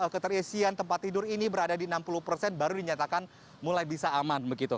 keterisian tempat tidur ini berada di enam puluh persen baru dinyatakan mulai bisa aman